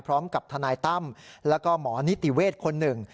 พร้อมกับทนายตั้มแล้วก็หมอนิติเวทย์คนหนึ่ง